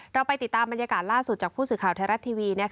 เราไปติดตามบรรยากาศล่าสุดจากผู้สื่อข่าวไทยรัฐทีวี